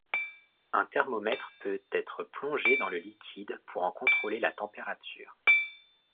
Un thermomètre peut être plongé dans le liquide pour en contrôler la température.